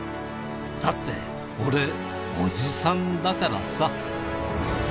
だって俺、おじさんだからさ。